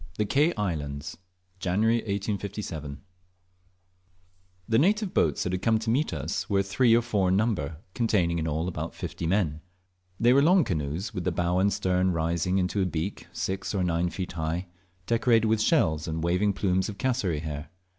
THE KE ISLANDS. (JANUARY 1857) THE native boats that had come to meet us were three or four in number, containing in all about fifty men. They were long canoes, with the bow and stern rising up into a beak six or night feet high, decorated with shells and waving plumes of cassowaries hair.